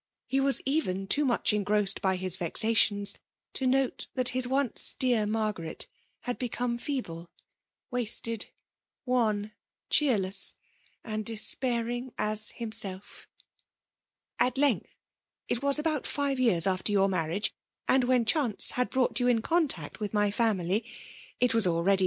he was even too much engrossed by his yexatians to note that his once dear Margaret had become feeble, wastedt wan, cheerless, and despairing as himself '' At length, (it was about five years after your marriage, and, when chance had brought you in contact with my family, it was already FEMALE DOMINATION.